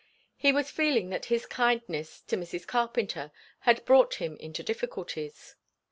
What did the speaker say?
He was feeling that his kindness to Mrs. Carpenter had brought him into difficulties.